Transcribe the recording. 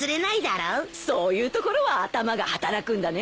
そういうところは頭が働くんだね。